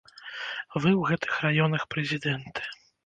Вы ў гэтых раёнах прэзідэнты!